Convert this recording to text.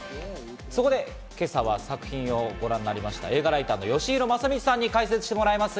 そこで今朝は作品をご覧になりました、映画ライターのよしひろまさみちさんに解説していただきます。